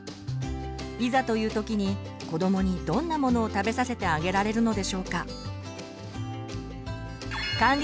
いざという時に子どもにどんなものを食べさせてあげられるのでしょうか？